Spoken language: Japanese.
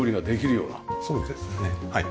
そうですねはい。